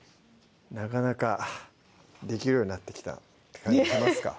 なかなかできるようになってきた感じしますか？